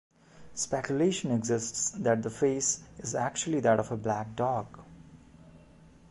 Speculation exists that the face is actually that of a black dog.